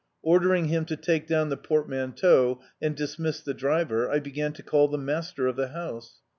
Ordering him to take down the portmanteau and dismiss the driver, I began to call the master of the house.